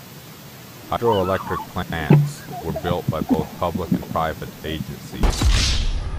Hydroelectric plants were built by both public and private agencies.